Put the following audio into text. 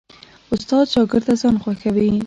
استاد شاګرد ته ځان خوښوي.